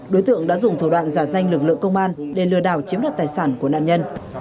đối tượng đã dùng thủ đoạn giả danh lực lượng công an để lừa đảo chiếm đoạt tài sản của nạn nhân